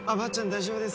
大丈夫です